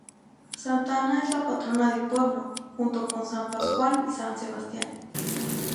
Santa Ana es la patrona del pueblo, junto con San Pascual y San Sebastián.